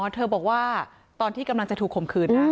เธอบอกว่าตอนที่กำลังจะถูกข่มขืนนะ